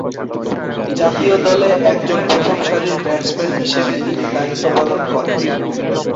জাতীয় দলে একজন প্রথম সারির ব্যাটসম্যান হিসেবে তিনি দায়িত্ব পালন করেন।